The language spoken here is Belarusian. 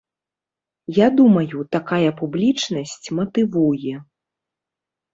Я думаю, такая публічнасць матывуе.